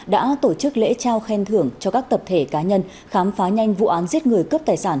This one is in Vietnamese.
đã tổ chức lễ trao khen thưởng cho các tập thể cá nhân khám phá nhanh vụ án giết người cướp tài sản